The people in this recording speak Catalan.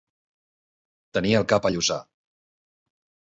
Tenir el cap a llossar.